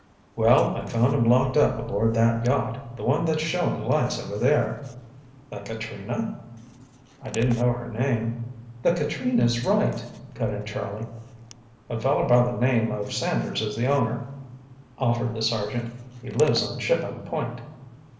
"Well, I found him locked up aboard that yacht, the one that's showing lights over there." "The Katrina?" "I didn't know her name—" "The Katrina's right," cut in Charlie. "A feller by the name of Sanders is owner," offered the Sergeant. "He lives on Shippan Point."